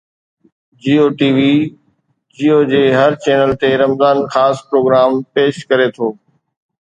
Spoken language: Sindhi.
جيو ٽي وي جيو جي هر چينل تي رمضان خاص پروگرام پيش ڪري ٿو